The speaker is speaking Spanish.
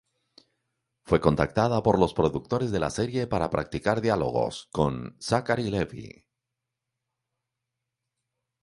Fue contactada por los productores de la serie para "practicar diálogos" con Zachary Levi.